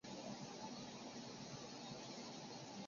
噶哈巫语只有代词本身会依格位之不同而进行变格运作。